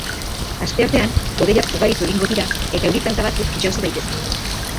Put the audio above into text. Asteartean hodeiak ugaritu egingo dira eta euri tanta batzuk jausi daitezke.